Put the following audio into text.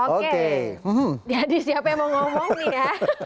oke jadi siapa yang mau ngomong nih ya